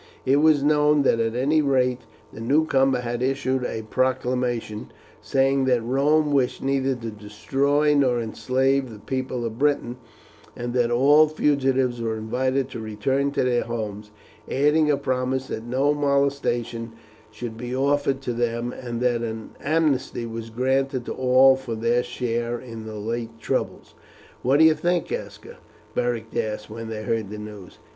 It was known that at any rate the newcomer had issued a proclamation, saying that Rome wished neither to destroy nor enslave the people of Britain, and that all fugitives were invited to return to their homes, adding a promise that no molestation should be offered to them, and that an amnesty was granted to all for their share in the late troubles. "What do you think, Aska?" Beric asked when they heard the news.